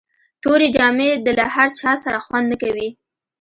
توري جامي د له هر چا سره خوند نه کوي.